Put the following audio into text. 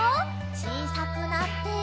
ちいさくなって。